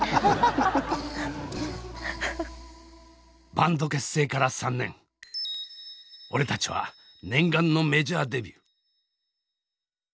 バンド結成から３年俺たちは念願のメジャーデビュー。